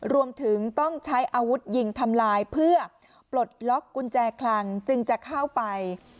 รวมถึงต้องใช้อาวุธยิงทำลายเพื่อปลดล็อกกุญแจคลังจึงจะเข้าไป